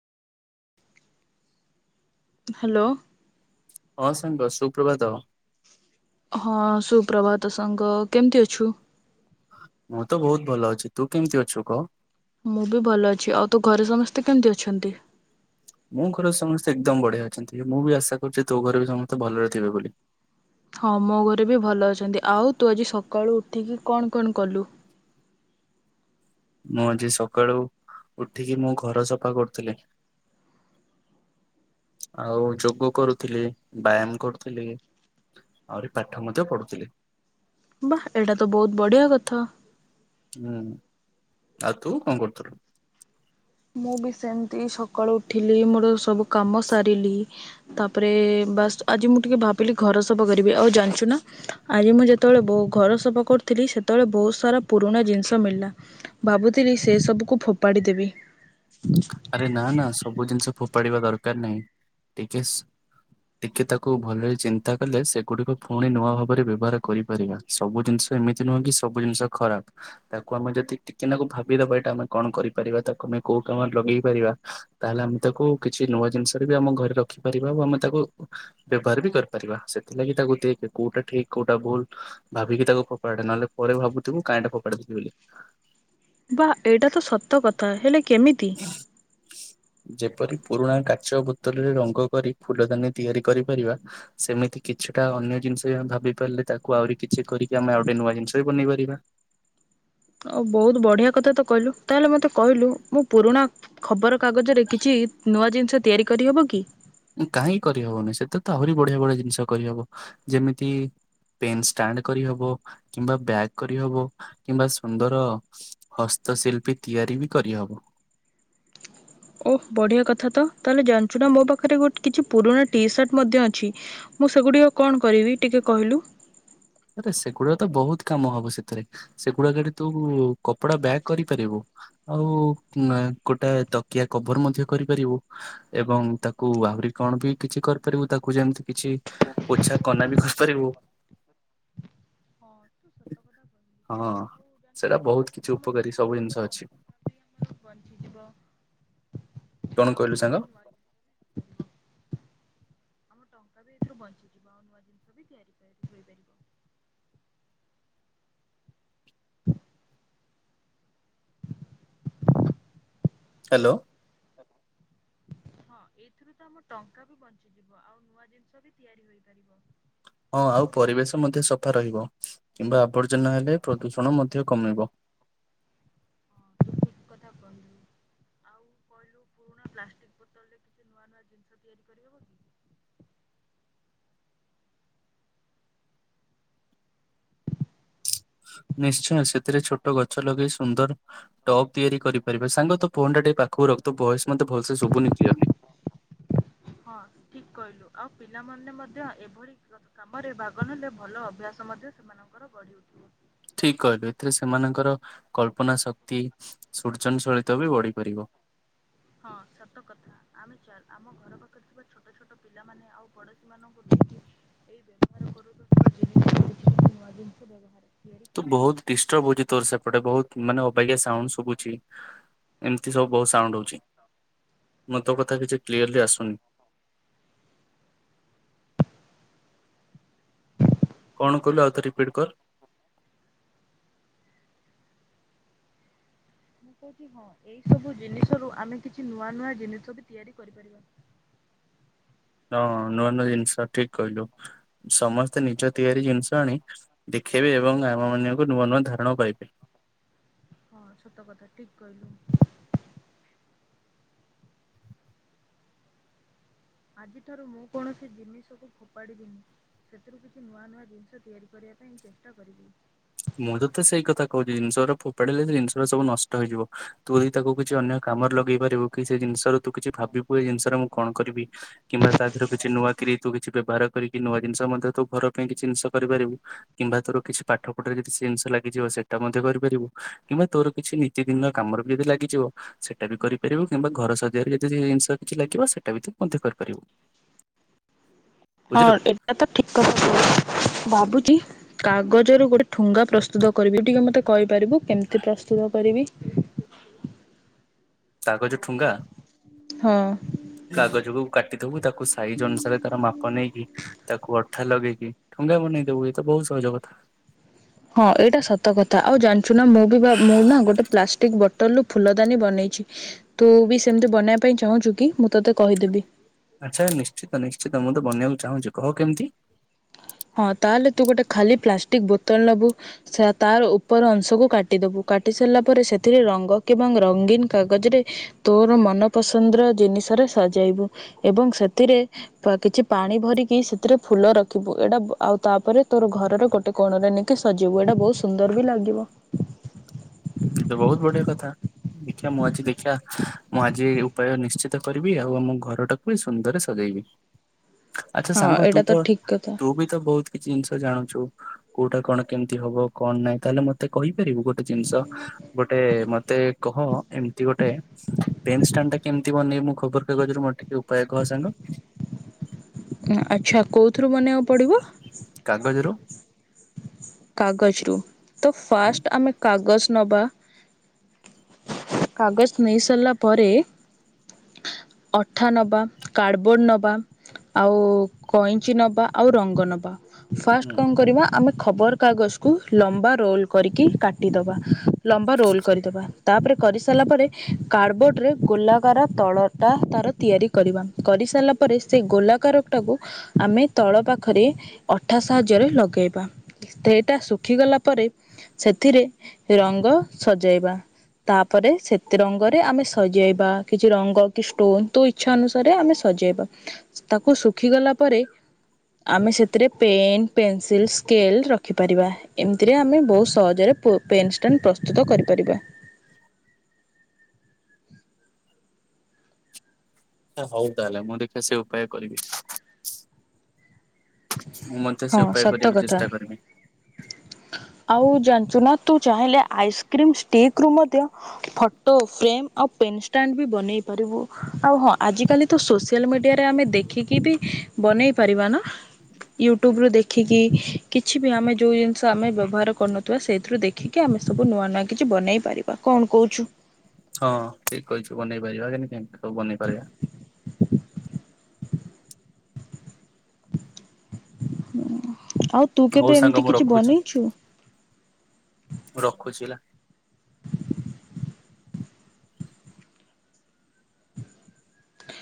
Hello. ହଁ ସାଙ୍ଗ ସୁପ୍ରଭାତ। ହଁ ସୁପ୍ରଭାତ ସାଙ୍ଗ। କେମତି ଅଛୁ? ମୁଁ ତ ବହୁତ ଭଲ ଅଛି ତୁ କେମିତି ଅଛୁ କହ। ମୁଁ ବି ଭଲ ଅଛି ଆଉ ତୋ ଘରେ ସମସ୍ତେ କେମତି ଅଛନ୍ତି? ମୋ ଘରେ ସମସ୍ତେ ଏକଦମ୍ ବଢ଼ିଆ ଅଛନ୍ତି ମୁଁ ବି ଆଶା କରୁଚି ତୋ ଘରେ ବି ସମସ୍ତେ ଭଲରେ ଥିବେ ବୋଲି। ହଁ ମୋ ଘରେ ବି ଭଲ ଅଛନ୍ତି। ଆଉ ତୁ ଆଜି ସକାଳୁ ଉଠିକି କଣ କଣ କଲୁ? ମୁଁ ଆଜି ସକାଳୁ ଉଠିକି ମୁଁ ଘର ସଫା କରୁଥିଲି। ଆଉ ଯୋଗ କରୁଥିଲି ବ୍ୟାୟାମ କରୁଥିଲି। ଆହୁରି ପାଠ ମଧ୍ୟ ପଢ଼ୁଥିଲି। ବାଃ ଏଇଟା ତ ବୋହୁତ ବଢ଼ିଆ କଥା। ହୁଁ ଆଉ ତୁ କଁ କରୁଥୁଲୁ? ମୁଁ ବି ସେମତି ସକାଳୁ ଉଠିଲି ମୋର ସବୁ କାମ ସାରିଲି। ତାପରେ ବାସ୍ ଆଜି ମୁଁ ଟିକେ ଭାବିଲି ଘର ସଫା କରିବି ଆଉ ଜାଣିଚୁ ନା ଆଜି ମୁଁ ଯେତୋଳେ ବୋ ଘର ସଫା କରୁଥିଲି ସେତୋଳେ ବୋହୁତ ସାରା ପୁରୁଣା ଜିନିଷ ମିଳିଲା। ଭାବୁଥିଲି ସେ ସବୁକୁ ଫୋପାଡ଼ି ଦେବି। ଆରେ ନାଁ ନାଁ ସବୁ ଜିନିଷ ଫୋପାଡ଼ିବା ଦରକାର ନାହିଁ। ଟିକେ ସ୍ ଟିକେ ତାକୁ ଭଲରେ ଚିନ୍ତା କଲେ ସେଗୁଡ଼ିକ ପୁଣି ନୂଆ ଭାବରେ ବ୍ୟବହାର କରିପାରିବା। ସବୁ ଜିନିଷ ଏମିତି ନୁହଁ କି ସବୁ ଜିନିଷ ଖରାପ। ତାକୁ ଆମେ ଯଦି ଟିକେନାକୁ ଭାବିଦବା ଏଇଟା ଆମେ କଣ କରିପାରିବା ତାକୁ ଆମେ କୋଉ କାମ ଲଗେଇ ପାରିବା ତାହେଲେ ଆମେ ତାକୁ କିଛି ନୂଆ ଜିନିଷରେ ବି ଆମ ଘରେ ରଖିପାରିବା ଓ ଆମେ ତାକୁ ବ୍ୟବହାର ବି କରିପାରିବା ସେଥିଲାଗି ତାକୁ ଦେକେ କୋଉଟା ଠିକ୍ କୋଉଟା ଭୁଲ ଭାବିକି ତାକୁ ଫୋପାଡ଼େ ନହେଲେ ପରେ ଭାବୁଥିବୁ କାଇଁ ଏଟା ଫୋପାଡ଼ି ଦେଲି ବୋଲି। ବାଃ ଏଇଟା ତ ସତ କଥା ହେଲେ କେମିତି? ହ [inaudible] ଯେପରି ପୁରୁଣା କାଚ ବୋତଲରେ ରଙ୍ଗ କରି ଫୁଲ ଦାନି ତିଆରି କରିପାରିବା ସେମିତି କିଛିଟା ଅନ୍ୟ ଜିନିଷ ବି ଆମେ ଭାବି ପାରିଲେ ତାକୁ ଆଉରି କିଛି କରିକି ଆମେ ଆଉ ଓଟେ ନୂଆ ଜିନିଷ ବି ବନେଇ ପାରିବା। ଆଉ ବୋହୁତ ବଢ଼ିଆ କଥା ତ କହିଲୁ ତାହେଲେ ମତେ କହିଲୁ ମୁଁ ପୁରୁଣା ଖବର କାଗଜରେ କିଛି ନୂଆ ଜିନିଷ ତିଆରି କରିହବ କି? ଉଁ କାହିଁ କରିହବନି ସେତେରେ ତ ଆହୁରି ବଢ଼ିଆ ବଢ଼ିଆ ଜିନିଷ କରିହବ, ଯେମିତି ପେନ୍ ଷ୍ଟାଣ୍ଡ୍ କରିହବ କିମ୍ବା ବ୍ୟାଗ୍ କରିହବ କିମ୍ବା ସୁନ୍ଦର ହସ୍ତଶିଳ୍ପୀ ତିଆରି ବି କରିହବ। ଓଃ ବଢ଼ିଆ କଥା ତ ତାହେଲେ ଜାଣିଚୁ ନା ମୋ ପାଖରେ ଗୋଟ୍ କିଛି ପୁରୁଣା ଟି ସାର୍ଟ ମଧ୍ୟ ଅଛି। ମୁଁ ସେଗୁଡିକ କଣ କରିବି ଟିକେ କହିଲୁ। ଆରେ ସେଗୁଡା ତ ବହୁତ କାମ ହବ ସେଥିରେ ସେଗୁଡାକ ତୁ କପଡା ବ୍ୟାଗ କରିପାରିବୁ। ଆଉ ଗୋଟା ତକିଆ କଭର ମଧ୍ୟ କରିପାରିବୁ। ଏବଂ ତାକୁ ଆହୁରି କଣ ବି କିଛି କରିପାରିବୁ ତାକୁ ଯେମିତି କିଛି ପୋଛା କନା ବି କରିପାରିବୁ। ହଁ ତୁ ସତ କଥା କହିଲୁ ହଁ ଆଉ ଜାଣିଛୁ ସେଟା ନା ବହୁତ ଏଥିରେ ତ କିଛି ଆମର ଉପକାରୀ ସବୁ ମୋର ଜିନିଷ ଅଛି। ଟଙ୍କା ବି ଆମର ବଞ୍ଚିଯିବ କଣ ଆଉ କହିଲୁ କିଛି ସାଙ୍ଗ? ନୂଆ ଜିନିଷ ରୁ ବଞ୍ଚିଯିବ ଆଉ ନୂଆ ଜିନିଷ ବି ତିଆରିପାରିବ [inaudible] ହ୍ୟାଲୋ। ଏଥିରୁ ତ ଆମ ଟଙ୍କା ବି ବଞ୍ଚିଯିବ ଆଉ ନୂଆ ଜିନିଷ ବି ତିଆରି ହୋଇପାରିବା। ହଁ ଆଉ ପରିବେଶ ମଧ୍ୟ ସଫା ରହିବ କିମ୍ବା ଆବର୍ଜନା ହେଲେ ପ୍ରଦୂଷଣ ମଧ୍ୟ କମିବ। [inaudible] [unintelligible] ହଁ [unintelligible] ଜିନିଷ ତିଆରି କରିହେବ କି? ନିଶ୍ଚୟ ସେଥିରେ ଛୋଟ ଗଛ ଲଗେଇ ସୁନ୍ଦର ଟପ୍ ତିଆରି କରିପାରିବେ ସାଙ୍ଗ ତ ଫୋନ୍ ଟା ଟିକେ ପାଖକୁ ରଖ ତୋ ଭଏସ ମତେ ଭଲସ ସେ ଶୁଭୁନି କ୍ଳିଅର୍ଲି। ହଁ ଠିକ କହିଲୁ ଆଉ ପିଲାମାନେ ମଧ୍ୟ ଏଭଳି କାମରେ ଭାଗ ନେଲେ ଭଲ ଅଭ୍ୟାସ ମଧ୍ୟ ସେମାନଙ୍କର ବଢ଼ି ହ [inaudible] ଠିକ କହିଲୁ ଏଥିରେ ସେମାନଙ୍କର କଳ୍ପନା ଶକ୍ତି ସୃଜନଶଳିତ ବି ବଢି ପାରିବ। ହଁ ସତ କଥା ଆମେ ଚାଲ ଆମ ଘର ପାଖରେ ଥିବା ଛୋଟ ଛୋଟ ପିଲାମାନେ ଆଉ ପଡୋଶୀ ମାନଙ୍କୁ ନେଇି ଏଇ ବ୍ୟବହାର କରୁଥିବାଥିବା କିଛି ନୂଆ ଜିନିଷ ବ୍ୟବହାର ତିଆରି ତୁ କରିବା। ବହୁତ ଡିଷ୍ଟର୍ବ ହଉଚ ତୋର ସେପଟେ ବହୁତ ମାନେ ଅବାଗିଆ ସାଉଣ୍ଡ ସୁବୁଚି। ଏମିତି ସବୁ ବହୁତ ସାଉଣ୍ଡ ହଉଛି। ମୁଁ ତ କଥା କିଛି କ୍ଲିୟରଲି ଆସୁନି। କଣ କହିଲୁ ଆଉ ତ ରିପିଟ୍ କର। ମୁଁ କହୁଛି ହଁ ଏଇ ସବୁ ଜିନିଷ ରୁ ଆମେ କିଛି ନୂଆ ନୂଆ ଜିନିଷ ବି ତିଆରି କରିପାରିବା। ହଁ ନୂଆ ନୂଆ ଜିନିଷ ଠିକ କହିଲୁ। ସମସ୍ତେ ନିଜ ତିଆରି ଜିନିଷ ଆଣି ଦେଖେଇବେ ଏବଂ ଆମ ମାନଙ୍କୁ ନୂଆ ନୂଆ ଧାରଣ କହିବେ। ହଁ ସତ କଥା ଠିକ୍ କହିଲୁ। ଆଜିଠାରୁ ମୁଁ କୌଣସି ଜିନିଷକୁ ଫୋପାଡ଼ିବିନି। ସେଥିରୁ କିଛି ନୂଆ ନୂଆ ଜିନିଷ ତିଆରି କରିବା ପାଇଁ ଚେଷ୍ଟା କରିବି। ମୁଁ ତତେ ସେଇ କଥା କହୁଛି ଜିନିଷ ଗୁରା ଫୋପାଡିଲେ ଜିନିଷ ଗୁଡା ସବୁ ନଷ୍ଟ ହେଇଯିବ। ତୁ ତାକୁ କିଛି ଅନ୍ୟ କାମରେ ଲଗେଇ ପାରିବୁ କି ସେ ଜିନିଷ ରୁ ତୁ କିଛି ଭାବିବୁ ଏଇ ଜିନିଷ ର ମୁଁ କଣ କରିବି। କିମ୍ବା ତା ଦେହରୁ କିଛି ନୂଆ କିରି ତୁ କିଛି ବ୍ୟବହାର କରିକି ନୂଆ ଜିନିଷ ମଧ୍ୟ ତୁ ଘର ପାଇଁ କିଛି ଜିନିଷ କରିପାରିବୁ। କିମ୍ବା ତୋର କିଛି ପାଠ ଗୋଟରେ ଯଦି ଜିନିଷ ଲାଗିଯିବ ସେଇଟା ମଧ୍ୟ କରିପାରିବ କିମ୍ବା ତୋର କିଛି ନୀତିଦିନନ କାମ ବି ଯଦି ଲାଗିଯିବ। ସେଇଟା ବି କରିପାରିବୁ କିମ୍ବା ଘର ସଜେଇାରେ ଯଦି ଜିନିଷ କିଛି ଲାଗିବ ସେଇଟା ବି ମଧ୍ୟ କରିପାରିବୁ। [inaudible] ହଁ ଏଇଟା ତ ଠିକ କଥା [unintelligible] ଭାବୁଚି କାଗଜରୁ ଗୋଟେ ଠୁଙ୍ଗା ପ୍ରସ୍ତୁତ କରିବି ଟିକେ ମତେ କହିପାରିବୁ କେମିତି ପ୍ରସ୍ତୁତ କରିବି। କାଗଜ ଠୁଙ୍ଗା? ହଁ। କାଗଜକୁକୁ କାଟିଦବୁ। ତାକୁ ସାଇଜ ଅନୁସାରେ ତାର ମାପ ନେଇକି ତାକୁ ଅଠା ଲଗେଇକି ଠଙ୍ଗା ବନେଇଦବୁ ଏଇଏ ତ ବହୁତ ସହଜ କଥା। ହଁ ଏଇଟା ସତ କଥା ଆଉ ଜାଣିଛୁ ନା ମୁଁ ବି ମୁଁ ନା ଗୋଟେ ପ୍ଲାଷ୍ଟିକ ବୋଟଲରୁୁ ଫୁଲଦାନୀ ବନେଇଛି। ତୁ ବି ସେମିତି ବନେଇବା ପାଇଁ ଚାହୁଁଛୁ କି ମୁଁ ତୋତେ କହିଦେବି। ଆଚ୍ଛା ନିଶ୍ଚିତ ନିଶ୍ଚିତ ମୁଁ ତ ବନେଇବାକୁ ଚାହୁଁଛି କହ କେମିତି? ହଁ ତାହେଲେ ତୁ ଗୋଟେ ଖାଲି ପ୍ଲାଷ୍ଟିକ ବୋତଲ ନବୁ। ତାର ଉପର ଅଂଶକୁ କାଟିଦବୁ କାଟି ସାରିଲା ପରେ ସେଥିରେ ରଙ୍ଗ କି ଏବଂ ରଙ୍ଗୀନ କାଗଜରେ ତୋର ମନ ପସନ୍ଦର ଜିନିଷରେ ସଜେଇବୁ ଏବଂ ସେଥିରେ କିଛି ପାଣି ଭରିକି ସେଥିରେ ଫୁଲ ରଖିବୁ। ଏଇଟା ଆଉ ତାପରେ ତୋର ଘର ରେ ଗୋଟେ କୋଣରେ ନେଇକି ସଜେଇବୁ ଏଇଟା ବହୁତ ସୁନ୍ଦର ବି ଲାଗିବ। ଏଇ ତ ବହୁତ ବଢ଼ିଆ କଥା। ଦେଖିବା ମୁଁ ଆଜି ଦେଖିବା ମୁଁ ଆଜି ଉପାୟ ନିଶ୍ଚିତ କରିବି, ଆଉ ଆମ ଘରଟାକୁ ବି ସୁନ୍ଦର ସଜେଇବି। ଆଚ୍ଛା ହଁ ସାଙ୍ଗ ତୁ ଏଇଟା ତ ଠିକ୍ କଥା। ତୁ ବି ତ କହୁଥିଲୁ କିଛି ଜିନିଷ ଜାଣୁଛୁ, କୋଉଟା କଣ କେମିତି ହବ କଣ ନାହିଁ ତାହେଲେ ମତେ କହିପାରିବୁ ଗୋଟେ ଜିନିଷ ଗୋଟେ ମତେ କହ ଏମିତି ଗୋଟେ ପେନ ଷ୍ଟାଣ୍ଡ ଟା କେମିତି ବନେଇବି ମୁଁ ଖବର କାଗଜରୁ ମୋର ଟିକେ ଉପାୟ କହ ସାଙ୍ଗ? ଆଚ୍ଛା କୋଉଥିରୁ ବନେଇବାକୁ ପଡ଼ିବ? କାଗଜରୁ କାଗଜରୁୁ, ତ ଫାଷ୍ଟ ଆମେ କାଗଜ ନବା କାଗଜ ନେଇ ସାରିଲା ପରେ। ଅଠା ନବା କାର୍ଡ଼ବୋର୍ଡ ନବା ଆଉ କଇଁଚି ନବା ଆଉ ରଙ୍ଗ ନେବା ହୁଁ ଫାଷ୍ଟ ଆଚ୍ଛା କଣ କରିବା ଆମେ ଖବରକାଗଜକୁ ଲମ୍ବା ରୋଲ କରିକି କାଟିଦବା। ଲମ୍ବା ରୋଲ୍ କରିଦେବା। ତାପରେ କରିସାରିଲା ପରେ କାର୍ଡ଼ବୋର୍ଡରେ ଗୋଲାକାର ତଳଟା ତାର ତିଆରି କରିବା କରିସାରିଲା ପରେ ସେ ଗୋଲାକାର ଟାକୁ ଆମେ ତଳ ପାଖରେ ଅଠା ସାହାଯ୍ୟରେ ଲଗେଇବା ଟ୍ରେ ଟା ଶୁଖିଗଲା ପରେ ସେଥିରେ ରଙ୍ଗ ସଜେଇବା। ତାପରେ ସେତେ ରଙ୍ଗରେ ଆମେ ସଜେଇବା କିଛି ରଙ୍ଗ କି ଷ୍ଟୋନ ତୁ ଇଛ ଇଛା ଅନୁସାରେ ଆମେ ସଜେଇବା ତାକୁ ଶୁଖିଗଲା ପରେ ଆମେ ସେଥିରେ ପେନ୍ ପେନ୍ସିଲ୍ ସ୍କେଲ ରଖିପାରିବା ଏମିତିରେ ଆମେ ବହୁତ ସହଜରେ ପେନ୍ଷ୍ଟାଣ୍ଡ ପ୍ରସ୍ତୁତ କରିପାରିବା। ହଉ ତାହେଲେ ମୁଁ ଦେଖିବା ସେ ଉପାୟ କରିବି। ମୁଁ ମଧ୍ୟ ହଁ ସେ ଉପାୟ ସତ କରିବାକୁ କଥା। ଚେଷ୍ଟା କରିବି। ଆଉ ଜାଣିଛୁନା ତୁ ଚାହିଁଲେ ଆଇସ୍କ୍ରିମ ଷ୍ଟିକ ରୁ ମଧ୍ୟ ଫଟୋ ଫ୍ରେ ଆଉ ପେନଷ୍ଟାଣ୍ଡ ବି ବନେଇ ପାରିବୁ। ଆଉ ହଁ ଆଜି କାଲି ତ ସୋସିଆଲ ମିଡ଼ିଆରେ ଆମେ ଦେଖିକି ବି ବନେଇ ପାରିବା ନା। ୟୁଟ୍ୟୁବ ରୁ ଦେଖିକି କିଛି ବି ଆମେ ଯେଉଁ ଜିନିଷ ଆମେ ବ୍ୟବହାର କରୁନଥିବା ସେଇଥିରୁ ଦେଖି ଦେଖିକି ଆମେ ସବୁ ନୂଆ ନୂଆ କିଛି ବନେଇ ପାରିବା କଣ କହୁଛୁ? ହଁ ଠିକ କହିଛୁ ବନେଇ ପାରିବା, କେମିତି ସବୁ ବନେଇ ପାରିବା। ଆଉ ତୁ ହଉ କେବେ ସାଙ୍ଗ ଏମିତି ମୁଁ କିଛି ରଖୁଛି ବନେଇଚୁ? ରଖୁଛି ହେଲା।